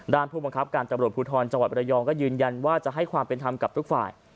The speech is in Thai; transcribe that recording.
ผู้บังคับการตำรวจภูทรจังหวัดบรยองก็ยืนยันว่าจะให้ความเป็นธรรมกับทุกฝ่าย